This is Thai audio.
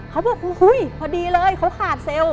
เขาบอกอุ้ยพอดีเลยเขาขาดเซลล์